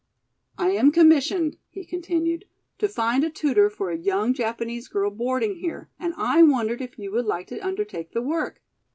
"I am commissioned," he continued, "to find a tutor for a young Japanese girl boarding here, and I wondered if you would like to undertake the work.